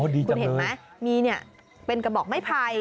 ดีจังเลยคุณเห็นไหมมีนี่เป็นกระบอกไม่ไผ่